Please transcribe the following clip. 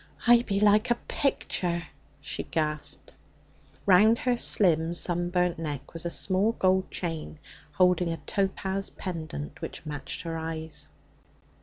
'I be like a picture!' she gasped. Round her slim sun burnt neck was a small gold chain holding a topaz pendant, which matched her eyes.